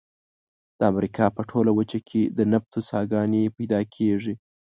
د امریکا په ټوله وچه کې د نفتو څاګانې پیدا کیږي.